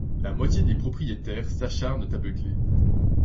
La moitié des propriétaires s'acharnent à beugler.